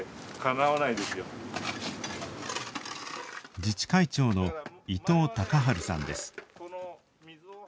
自治会長の伊東隆治さんです。